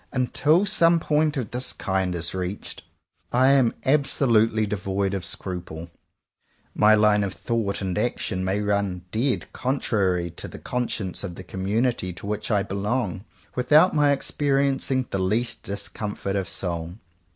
Until some point of this kind is reached, I am absolutely devoid of scruple. My line of thought and action may run dead contrary to the con science of the community to which I belong, without my experiencing the least discom fort of soul.